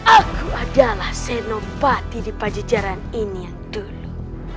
aku adalah senopati di pajajaran ini yang dulu